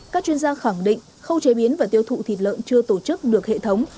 các chuyên gia khẳng định khâu chế biến và tiêu thụ thịt lợn chưa tổ chức được hệ thống